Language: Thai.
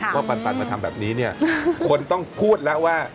ว่าปัดปัดมาทำแบบนี้คนต้องพูดแล้วว่า